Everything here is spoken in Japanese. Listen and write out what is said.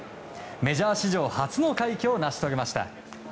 メジャー史上初の快挙を成し遂げました。